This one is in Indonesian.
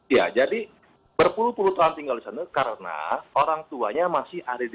ya jadi berpuluh puluh tahun tinggal di sana karena orang tuanya masih ada di